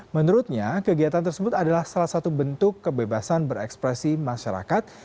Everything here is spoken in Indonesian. menurutnya kegiatan tersebut adalah salah satu bentuk kebebasan berekspresi masyarakat